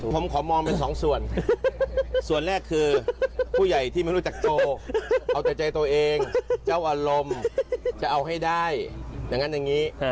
ผมขอมองเป็นสองส่วนส่วนแรกคือผู้ใหญ่ที่ไม่รู้จักโชว์เอาแต่ใจตัวเองเจ้าอารมณ์จะเอาให้ได้อย่างนั้นอย่างนี้